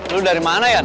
lu dari mana yan